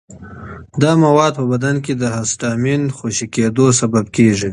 دا مواد په بدن کې د هسټامین خوشې کېدو لامل کېږي.